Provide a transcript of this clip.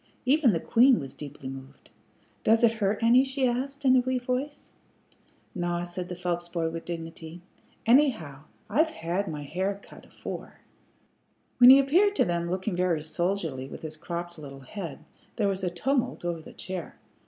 Even the queen was deeply moved. "Does it hurt any?" she asked, in a wee voice. "Naw," said the Phelps boy, with dignity. "Anyhow, I've had m' hair cut afore." When he appeared to them looking very soldierly with his cropped little head, there was a tumult over the chair.